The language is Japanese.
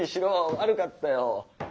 悪かったよ！